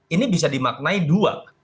ini bisa dimaknai dua